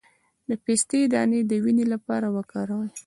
د پسته دانه د وینې لپاره وکاروئ